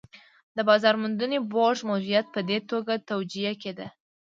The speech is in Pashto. د بازار موندنې بورډ موجودیت په دې توګه توجیه کېده.